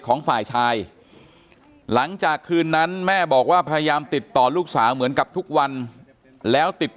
ของฝ่ายชายหลังจากคืนนั้นแม่บอกว่าพยายามติดต่อลูกสาวเหมือนกับทุกวันแล้วติด